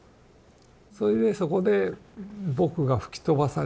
それでそこで僕が吹き飛ばされて。